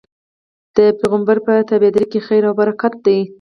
د پيغمبر په تابعدارۍ کي خير او برکت دی